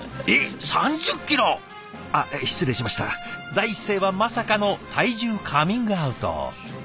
第一声はまさかの体重カミングアウト。